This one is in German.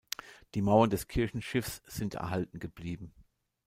Die Mauern des Kirchenschiffs sind erhalten geblieben.